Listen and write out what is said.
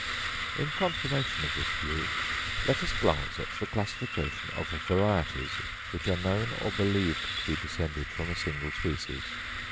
In confirmation of this view, let us glance at the classification of varieties, which are known or believed to be descended from a single species.